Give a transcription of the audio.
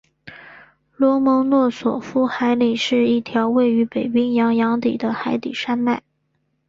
罗蒙诺索夫海岭是一条位于北冰洋洋底的海底山脉。